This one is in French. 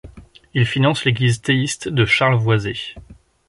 Il finance l'Église théiste de Charles Voysey.